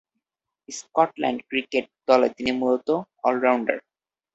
Scotland cricket দলে তিনি মূলতঃ অল-রাউন্ডার।